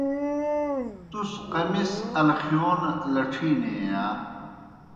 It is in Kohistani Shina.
تُس قمِص الخِیون لڇِھینیئی یا؟